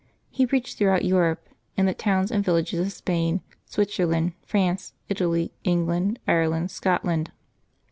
He preached throughout Europe, in the towns and villages of Spain, Switzerland, France, Italy, England, Ireland, Scotland.